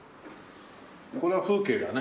これは風景だね。